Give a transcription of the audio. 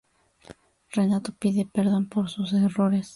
Renato pide perdón por sus errores.